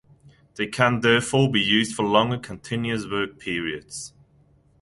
They can therefore be used for longer continuous work periods.